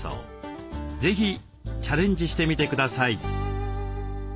是非チャレンジしてみてください。